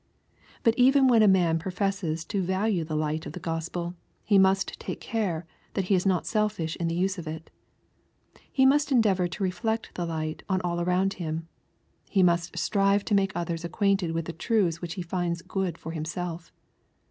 But even when a man professes to value the light of the Gospel he must take care that he is not selfish in the use of it. He must endeavor to reflect the light on all around him. He must strive to make others acquainted . with the truths which he finds good for himself.